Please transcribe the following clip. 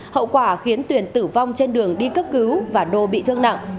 hậu quả khiến tuyển tử vong trên đường đi cấp cứu và đô bị thương nặng